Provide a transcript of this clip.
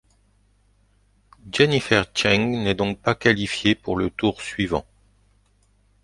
Jennifer Chieng n'est donc pas qualifiée pour le tour suivant.